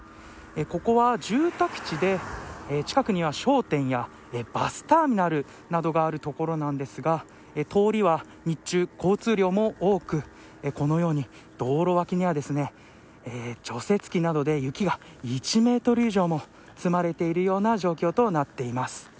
ここは、住宅地で近くには商店やバスターミナルなどがある所なんですが通りは日中、交通量も多くこのように道路脇には除雪機などで雪が１メートル以上も積まれているような状況となっています。